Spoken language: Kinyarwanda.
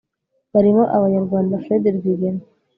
barimo abanyarwanda fred rwigema